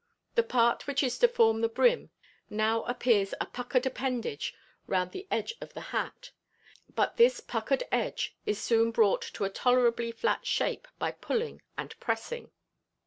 The part which is to form the brim now appears a puckered appendage round the edge of the hat; but this puckered edge is soon brought to a tolerably flat shape by pulling and pressing.